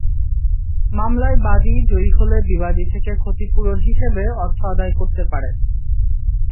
মামলায় বাদী জয়ী হলে বিবাদী থেকে ক্ষতিপূরণ হিসেবে অর্থ আদায় করতে পারেন।